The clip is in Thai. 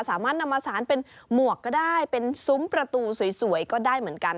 สามารถนำมาสารเป็นหมวกก็ได้เป็นซุ้มประตูสวยก็ได้เหมือนกัน